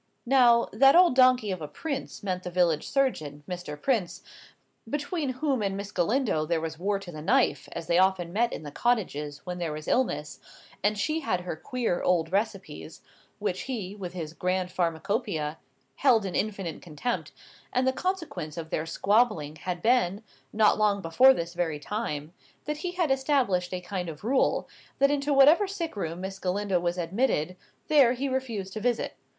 Now "that old donkey of a Prince" meant the village surgeon, Mr. Prince, between whom and Miss Galindo there was war to the knife, as they often met in the cottages, when there was illness, and she had her queer, odd recipes, which he, with his grand pharmacopoeia, held in infinite contempt, and the consequence of their squabbling had been, not long before this very time, that he had established a kind of rule, that into whatever sick room Miss Galindo was admitted, there he refused to visit.